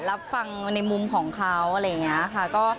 รับฟังในมุมของเขาอะไรอย่างนี้ค่ะ